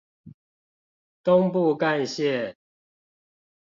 東部幹線